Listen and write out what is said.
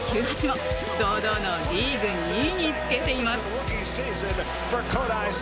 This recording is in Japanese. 防御率２．９８も堂々のリーグ２位につけています。